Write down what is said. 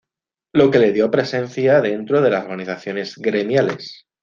Lo que le dio presencia dentro de las organizaciones gremiales.